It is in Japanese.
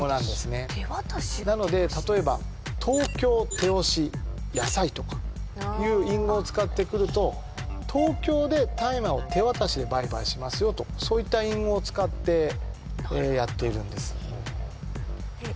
手渡しが「手押し」なんだなので例えばとかいう隠語を使ってくると東京で大麻を手渡しで売買しますよとそういった隠語を使ってなるほどやっているんですえっ